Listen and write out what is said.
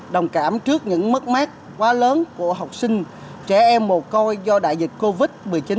đồng cảm trước những mất mát quá lớn của học sinh trẻ em mồ côi do đại dịch covid một mươi chín